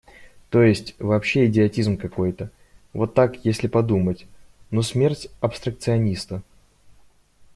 То есть, вообще идиотизм какой-то, вот так, если подумать: ну, смерть абстракциониста.